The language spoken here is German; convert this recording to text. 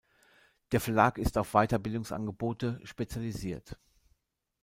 Der Verlag ist auf Weiterbildungsangebote spezialisiert.